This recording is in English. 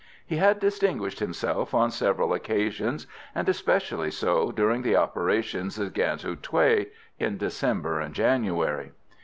He had distinguished himself on several occasions, and especially so during the operations against Hou Thué in December and January.